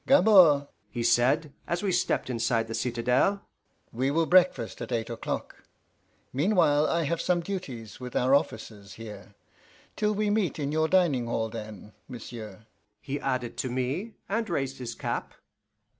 "Gabord," he said, as we stepped inside the citadel, "we will breakfast at eight o'clock. Meanwhile, I have some duties with our officers here. Till we meet in your dining hall, then, monsieur," he added to me, and raised his cap.